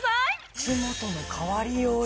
口元の変わりようよ